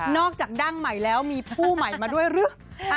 จากดั้งใหม่แล้วมีผู้ใหม่มาด้วยหรือ